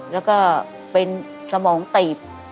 แล้วก็เป็นสมองตีบ